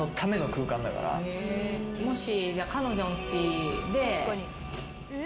もし。